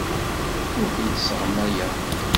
Ur tent-sseɣmayeɣ.